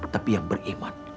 tapi yang beriman